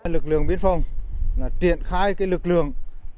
lực lượng biên phòng triển khai lực lượng